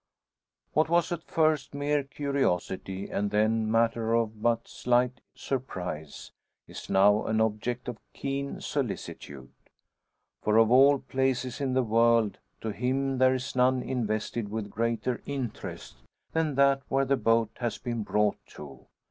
What was at first mere curiosity, and then matter of but slight surprise, is now an object of keen solicitude. For of all places in the world, to him there is none invested with greater interest than that where the boat has been brought to.